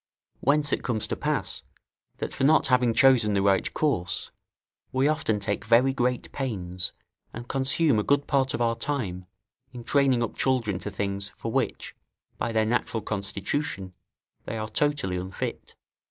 Whence it comes to pass, that for not having chosen the right course, we often take very great pains, and consume a good part of our time in training up children to things, for which, by their natural constitution, they are totally unfit.